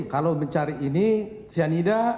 kalau mencari ini cyanida